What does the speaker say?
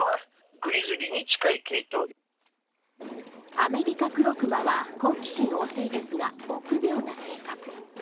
アメリカクロクマは好奇心旺盛ですが臆病な性格。